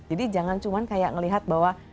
jadi jangan cuma kayak melihat bahwa